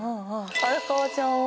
荒川ちゃんは？